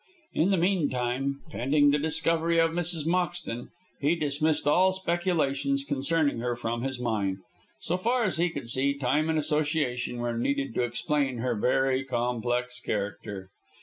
In the meantime, pending the discovery of Mrs. Moxton, he dismissed all speculations concerning her from his mind. So far as he could see, time and association were needed to explain her very complex character.